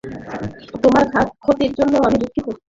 তোমার ক্ষতির জন্য আমি দুঃখিত।